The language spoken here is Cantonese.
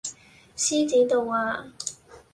獅子度呀